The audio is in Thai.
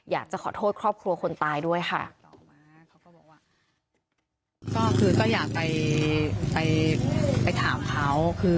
อยากจะขอโทษครอบครัวคนตายด้วยค่ะ